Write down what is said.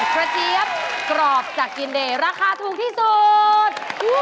ขระเจี๊ยบครอบจาก๑๕ราคาถูกที่สุด